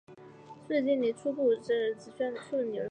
素数定理有些初等证明只需用数论的方法。